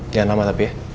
jangan lama tapi ya